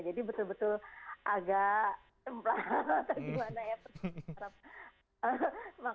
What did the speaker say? jadi betul betul agak tembal atau gimana ya